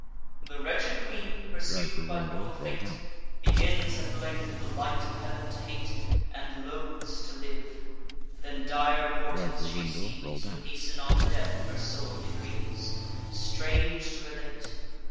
The wretched queen, pursued by cruel fate, Begins at length the light of heav'n to hate, And loathes to live. Then dire portents she sees, To hasten on the death her soul decrees: Strange to relate!